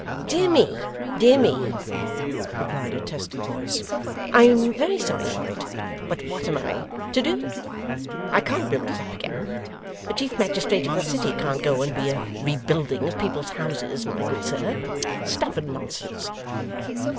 'Dear me, dear me,' replied a testy voice, 'I am very sorry for it, but what am I to do? I can't build it up again. The chief magistrate of the city can't go and be a rebuilding of people's houses, my good sir. Stuff and nonsense!